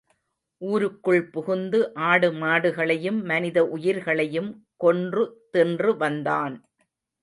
ஊருக்குள் புகுந்து, ஆடு மாடுகளையும், மனித உயிர்களையும் கொன்று தின்று வந்தான்.